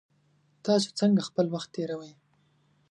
تاسو څنګه خپل وخت تیروئ؟